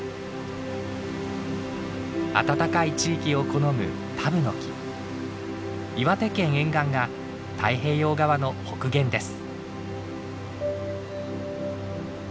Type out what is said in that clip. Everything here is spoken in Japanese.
暖かい地域を好む岩手県沿岸が太平洋側の北限です。